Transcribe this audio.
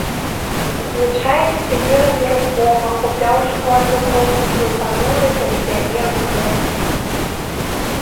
Звычайна сядзела нерухома, упяўшы ў адну кропку свой пануры заледзянелы погляд.